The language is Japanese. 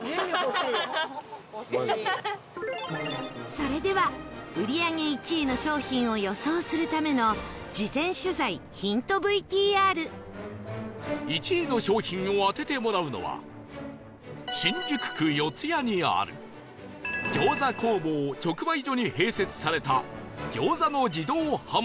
それでは売り上げ１位の商品を予想するための事前取材ヒント ＶＴＲ１位の商品を当ててもらうのは新宿区四谷にある餃子工房直売所に併設された